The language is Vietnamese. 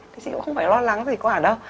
thì chị cũng không phải lo lắng gì quá đâu